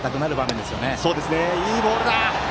いいボールだ！